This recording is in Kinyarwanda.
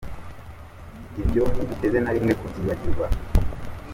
Ibyo ntiduteze na rimwe ku byibagirwa.